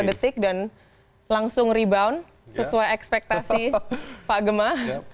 dan langsung rebound sesuai ekspektasi pak gemah